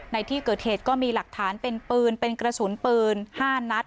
ในที่เกิดเหตุก็มีหลักฐานเป็นปืนเป็นกระสุนปืน๕นัด